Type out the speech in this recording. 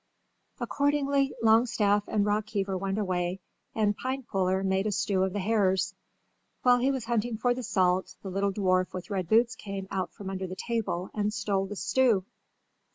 Accordingly, Longstaff and Rockheaver went away and Pinepuller made a stew of the hares. While he was hunting for the salt the little dwarf with red boots came out from under the table and stole the stew.